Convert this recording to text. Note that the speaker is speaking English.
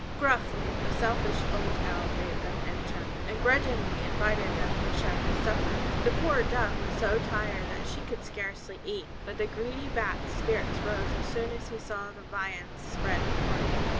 Gruffly the selfish old Owl bade them enter, and grudgingly invited them to share his supper. The poor Dove was so tired that she could scarcely eat, but the greedy Bat's spirits rose as soon as he saw the viands spread before him.